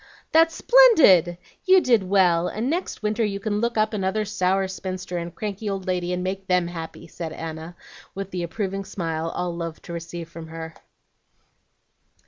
"That's splendid! You did well, and next winter you can look up another sour spinster and cranky old lady and make them happy," said Anna, with the approving smile all loved to receive from her.